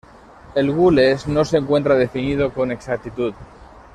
El gules no se encuentra definido con exactitud.